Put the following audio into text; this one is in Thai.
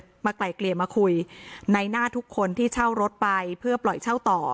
มาไกลเกลี่ยมาคุยในหน้าทุกคนที่เช่ารถไปเพื่อปล่อยเช่าต่อ